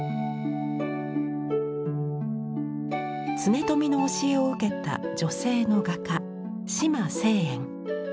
恒富の教えを受けた女性の画家島成園。